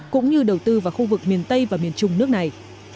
cũng như đầu tư vào khu vực miền tây và miền trung nước này